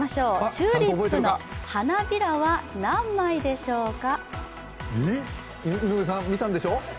チューリップの花びらは何枚でしょうか？